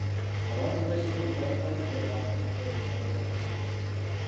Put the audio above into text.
Abantu b'ekitundu balina okubeeramu mu kukola ensalo za disitulikiti.